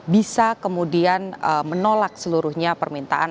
bisa kemudian menolak seluruhnya permintaan